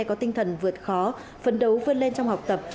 có tinh thần vượt khó phấn đấu vươn lên trong học tập